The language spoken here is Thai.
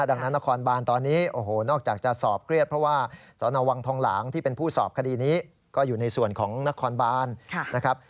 ดังนั้นนครบานตอนนี้โอ้โหนอกจากจะสอบเครียดเพราะว่าสนวังทองหลางที่เป็นผู้สอบคดีนี้ก็อยู่ในส่วนของนครบานนะครับ